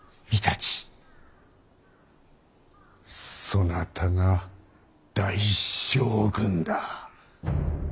そなたが大将軍だ。